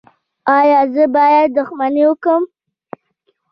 ایا زه باید دښمني وکړم؟